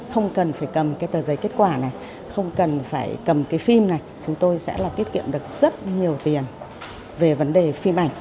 không cần phải cầm cái tờ giấy kết quả này không cần phải cầm cái phim này chúng tôi sẽ là tiết kiệm được rất nhiều tiền về vấn đề phim ảnh